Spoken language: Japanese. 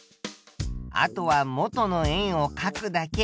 あとは元の円をかくだけ。